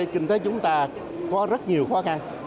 kinh tế chúng ta có rất nhiều khó khăn